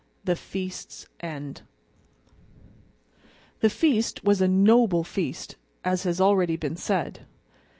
XIX. The Feast's End THE FEAST was a noble feast, as has already been said.